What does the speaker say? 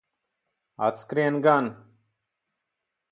Atskrien gan.